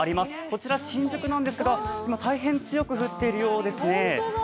こちら、新宿なんですが今、大変強く降っているようですね。